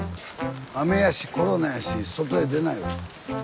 雨やしコロナやし外へ出ないわ。